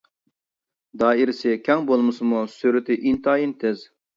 دائىرىسى كەڭ بولمىسىمۇ، سۈرئىتى ئىنتايىن تېز.